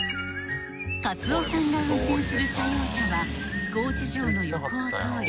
かつおさんが運転する社用車は高知城の横を通り